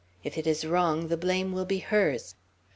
If it is wrong, the blame will be hers.